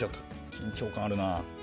緊張感あるな。